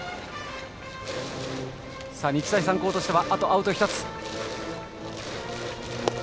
日大三高としてはあとアウト１つ。